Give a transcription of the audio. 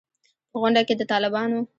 په غونډه کې د طالبانو